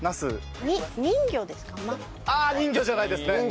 ああ人魚じゃないですね。